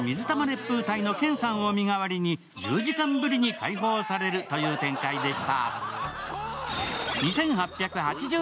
ぷう隊のケンさんを身代わりに１０時間ぶりに解放されるという展開でした。